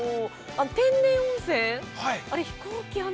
天然温泉、あれ、飛行機、あんな